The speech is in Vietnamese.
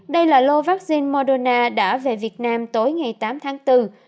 đây là lô vaccine moderna đã về việt nam tối ngày tám tháng bốn